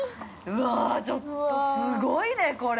◆ちょっとすごいね、これ。